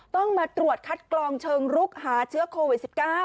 ต้องมาตรวจคัดกรองเชิงรุกหาเชื้อโควิด๑๙